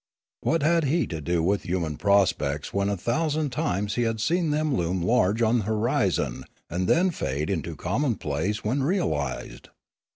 What had he to do with human prospects, when a thousand times he had seen them loom large on the horizon, and then fade into commonplace when real ised